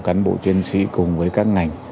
cán bộ chuyên sĩ cùng với các ngành